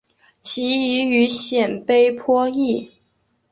其语与鲜卑颇异。